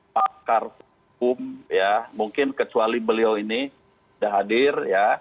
pakar hukum mungkin kecuali beliau ini sudah hadir